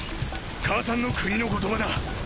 母さんの国の言葉だ。